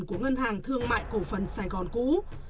của ngân hàng thương mại cổ phần sài gòn cũ